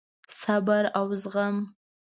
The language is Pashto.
صبر او زغم: